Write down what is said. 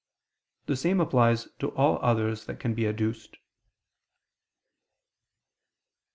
The same applies to all others that can be adduced.